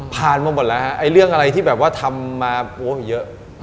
ผ่านมาหมดแล้วฮะไอ้เรื่องอะไรที่แบบว่าทำมาโอ้เยอะ